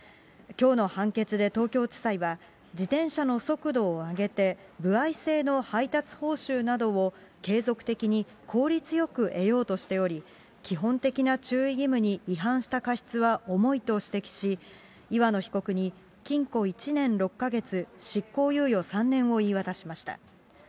きょうの判決で東京地裁は、自転車の速度を上げて歩合制の配達報酬などを継続的に効率よく得ようとしており、基本的な注意義務に違反した過失は重いと指摘し、岩野被告に禁錮１年６か月、執行猶予３年を言い渡しました。